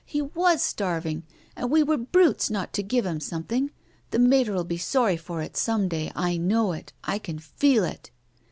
" He was starving, and we were brutes not to give him something. The Mater'll be sorry for it someday. I know it. I can feel it."